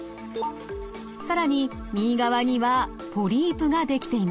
更に右側にはポリープが出来ていました。